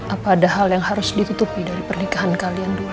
apa ada hal yang harus ditutupi dari pernikahan kalian dulu